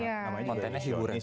ya kontennya hiburan